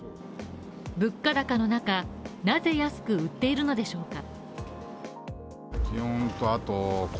物価高の中、なぜ安く売っているのでしょうか。